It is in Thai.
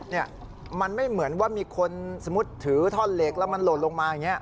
เนี่ยมันไม่เหมือนว่ามีคนสมมุติถือท่อนเหล็กแล้วมันหล่นลงมาอย่างนี้